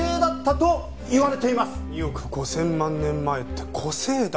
２億５０００万年前って古生代。